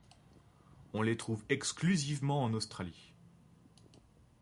On les trouve exclusivement en Australie.